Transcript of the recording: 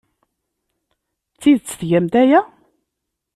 D tidet tgamt aya?